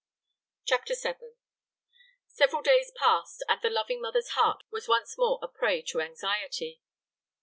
CHAPTER VII. Several days passed, and the loving mother's heart was once more a prey to anxiety.